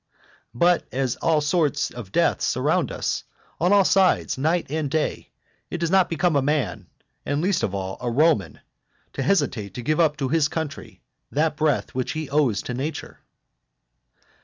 But as all sorts of deaths surround us on all sides night and day, it does not become a man, and least of all a Roman, to hesitate to give up to his country that breath which he owes to nature.